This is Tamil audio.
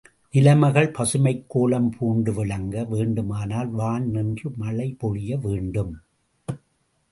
நிலமகள் பசுமைக் கோலம் பூண்டு விளங்க வேண்டுமானால் வான் நின்று மழை பொழிய வேண்டும்.